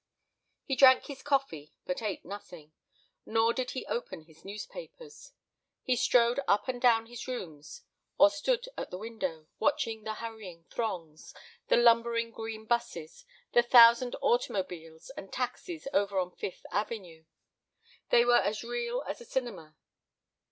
He drank his coffee, but ate nothing. Nor did he open his newspapers. He strode up and down his rooms or stood at the window watching the hurrying throngs, the lumbering green busses, the thousand automobiles and taxis over on Fifth Avenue. They were as unreal as a cinema.